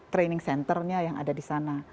training centernya yang ada di sana